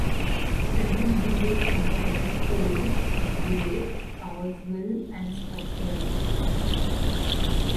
Present Blue Lake comprises "old" Blue Lake, Powersville, and Scottsville.